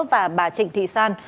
và bà trịnh thị san